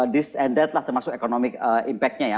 this and that lah termasuk economic impactnya ya